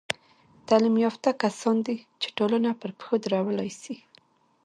تعلیم یافته کسان دي، چي ټولنه پر پښو درولاى سي.